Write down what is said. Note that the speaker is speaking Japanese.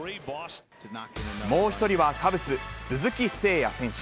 もう１人は、カブス、鈴木誠也選手。